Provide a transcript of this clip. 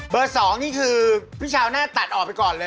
เบอร์๒นี่คือพี่เช้าน่าจะตัดออกไปก่อนเลย